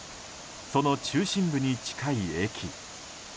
その中心部に近い駅。